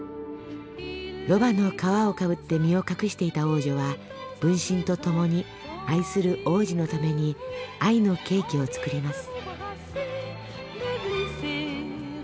ロバの皮をかぶって身を隠していた王女は分身と共に愛する王子のために愛のケーキを作ります。